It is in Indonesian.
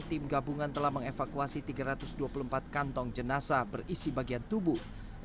tim gabungan telah mengevakuasi tiga ratus dua puluh empat kantong jenazah berisi bagian tubuh